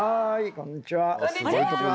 こんにちは。